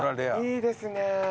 いいですね。